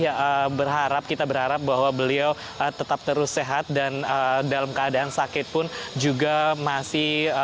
ini masih berharap kita berharap howard beliau tetap terus sehat dan klub agar karena sakit pun juga masih